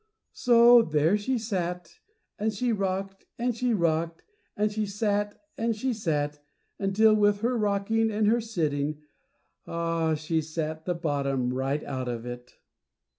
So there she sat, and she rocked and she rocked, and she sat and she sat, until with her rocking and her sitting she sat the bottom right out of it.